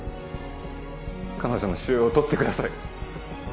彼女の腫瘍をとってください